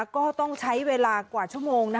ก็ต้องใช้เวลากว่าชั่วโมง